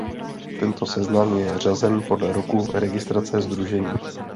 Tento seznam je řazen podle roku registrace sdružení.